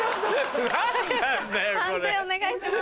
判定お願いします。